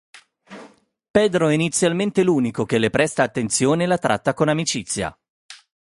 Pedro è inizialmente l'unico che le presta attenzione e la tratta con amicizia.